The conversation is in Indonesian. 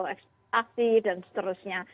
eksplosif dan seterusnya